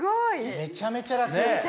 めちゃめちゃラク。